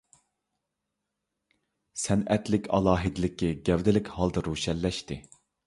سەنئەتلىك ئالاھىدىلىكى گەۋدىلىك ھالدا روشەنلەشتى.